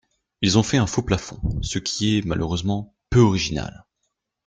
Ils ont fait un faux-plafond, ce qui est, malheureusement, peu original.